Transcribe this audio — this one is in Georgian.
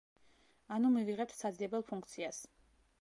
ანუ მივიღებთ საძიებელ ფუნქციას.